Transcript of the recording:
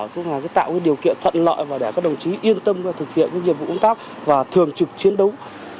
cũng là tạo điều kiện thuận lợi và để các đồng chí yên tâm thực hiện nhiệm vụ công tác và thường trực chiến đấu